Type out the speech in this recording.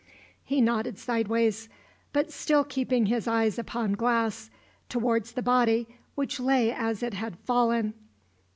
He nodded sideways but still keeping his eyes upon Glass towards the body, which lay as it had fallen.